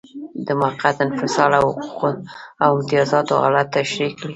د موقت انفصال او حقوقو او امتیازاتو حالت تشریح کړئ.